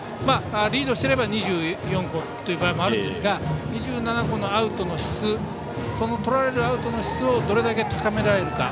リードしてれば２４個という場合もあるんですが２７個のアウトの質そのとられるアウトの質をどれだけ高められるか。